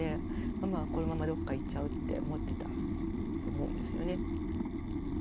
ママはこのままどっか行っちゃうって思ってたと思うんですよね。